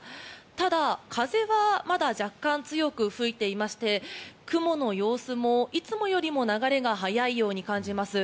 ただ、風はまだ若干強く吹いていまして雲の様子もいつもよりも流れが速いように感じます。